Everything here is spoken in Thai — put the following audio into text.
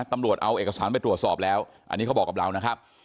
ตำรวจเอาเอกสารไปตรวจสอบแล้วอันนี้เขาบอกกับเรานะครับ